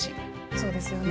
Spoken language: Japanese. そうですよね。